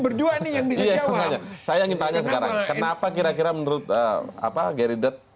berdua nih yang bisa jawab saya nanya sekarang kenapa kira kira menurut apa geri dut